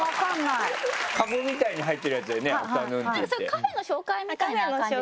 カフェの紹介みたいな感じですよね。